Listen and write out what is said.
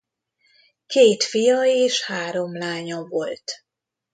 Két fia és három lánya volt.